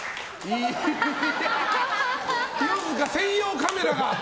清塚専用カメラが！